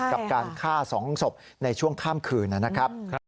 กับการฆ่า๒ศพในช่วงข้ามคืนนะครับ